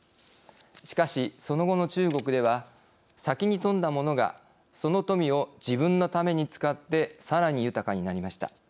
しかしその後の中国では先に富んだものがその富を自分のために使ってさらに豊かになりました。